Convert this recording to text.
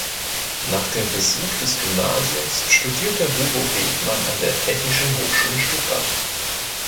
Nach dem Besuch des Gymnasiums studierte Hugo Bethmann an der Technischen Hochschule Stuttgart.